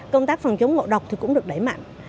công tác phòng chống ngộ độc cũng được đẩy mạnh